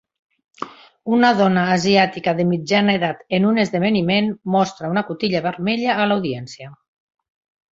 Una dona asiàtica de mitjana edat en un esdeveniment mostra una cotilla vermella a l'audiència.